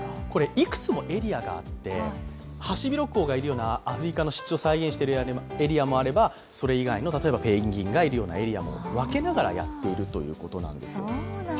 いくつもエリアがあって、ハシビロコウがいるようなアフリカを湿地を再現しているエリアもあれば、それ以外の例えばペンギンがいるようなエリアも訳ながらやっているということなんですよ。